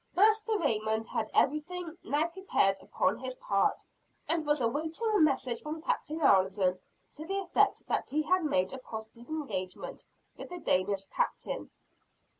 Master Raymond had everything now prepared upon his part, and was awaiting a message from Captain Alden, to the effect that he had made a positive engagement with the Danish captain.